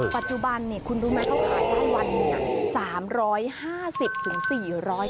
ปัจจุบันเนี่ยคุณรู้มั้ยเขาขายได้วันเนี่ย